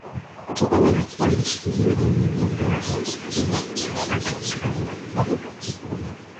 Kutokana na kuwa na shughuli nyingi ndoa haikufungwa kwa haraka kama walivyokusudia